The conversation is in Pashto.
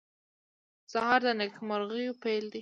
سهار د نیکمرغیو پېل دی.